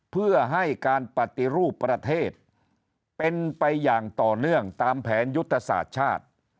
เพื่อให้การปฏิรูปประเทศเป็นไปอย่างต่อเนื่องตามแผนยุทธศาสตร์ชาติ